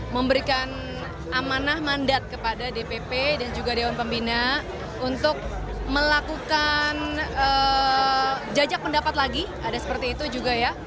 memberikan amanah mandat kepada dpp dan juga dewan pembina untuk melakukan jajak pendapat lagi ada seperti itu juga ya